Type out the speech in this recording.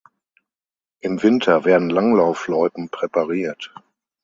Im Winter werden Langlaufloipen präpariert.